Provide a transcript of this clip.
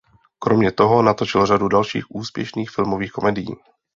Kromě toho natočil řadu dalších úspěšných filmových komedií.